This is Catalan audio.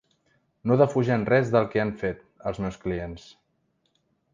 No defugen res del que han fet, els meus clients.